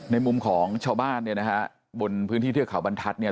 มุมของชาวบ้านเนี่ยนะฮะบนพื้นที่เทือกเขาบรรทัศน์เนี่ย